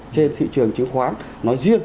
trên thị trường chứng khoán nói riêng